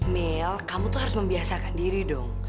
mil kamu tuh harus membiasakan diri dong